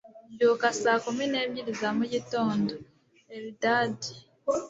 Mbyuka saa kumi n'ebyiri za mugitondo. (Eldad)